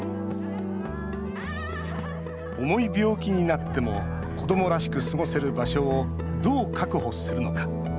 重い病気になっても子どもらしく過ごせる場所をどう確保するのか。